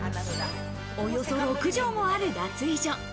およそ６畳もある脱衣所。